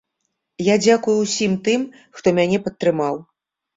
Я дзякую ўсім тым, хто мяне падтрымаў.